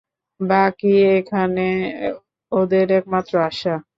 বাকই এখানে ওদের একমাত্র আশা।